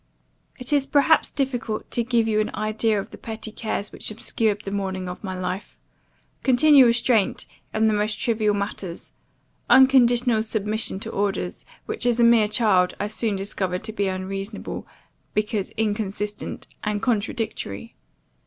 "It is perhaps difficult to give you an idea of the petty cares which obscured the morning of my life; continual restraint in the most trivial matters; unconditional submission to orders, which, as a mere child, I soon discovered to be unreasonable, because inconsistent and contradictory.